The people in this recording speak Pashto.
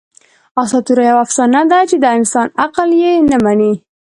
آسطوره یوه افسانه ده، چي د انسان عقل ئې نه مني.